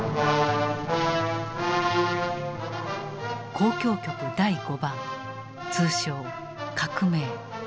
交響曲第５番通称「革命」。